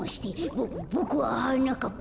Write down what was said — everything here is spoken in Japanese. ボボクははなかっぱ。